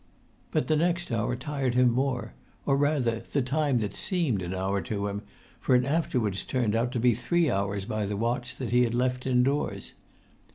But the next hour tired him more, or rather the time that seemed an hour to him, for it afterwards turned out to be three hours by the watch that he had left indoors.